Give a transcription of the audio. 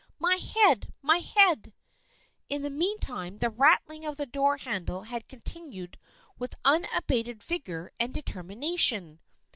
" My head ! My head !" In the meantime the rattling of the door handle had continued with unabated vigor and determi nation.